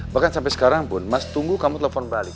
bahkan sampai sekarang pun mas tunggu kamu telepon balik